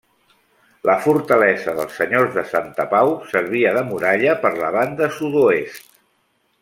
La fortalesa dels senyors de Santa Pau servia de muralla per la banda sud-oest.